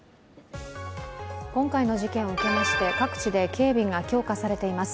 今回の事件を受けまして、各地で警備が強化されています。